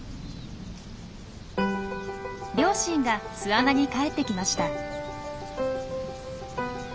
両親が巣穴に帰ってきました。